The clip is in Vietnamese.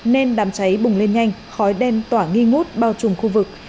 nên đám cháy bùng lên nhanh khói đen tỏa nghi ngút bao trùm khu vực